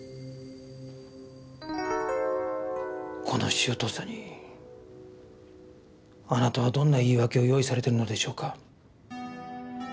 この周到さにあなたはどんな言い訳を用意されてるのでしょうか？